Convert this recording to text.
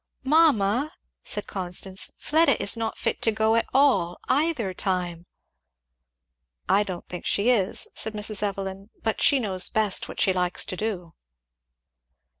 "Mamma," said Constance, "Fleda is not fit to go at all, either time." "I don't think she is," said Mrs. Evelyn. "But she knows best what she likes to do."